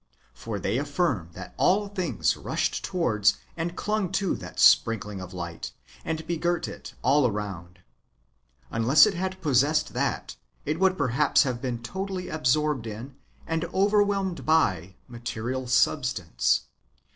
For they affirm that all things rushed towards and clung to that sprinkling of light, and begirt it all round. Unless it had possessed that, it would perhaps have been totally absorbed in, and overwhelmed by, material substance.